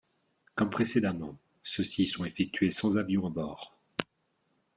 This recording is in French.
Comme précédemment, ceux-ci sont effectués sans avion à bord.